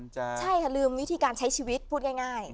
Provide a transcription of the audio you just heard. ใช่ค่ะลืมวิธีการใช้ชีวิตพูดง่าย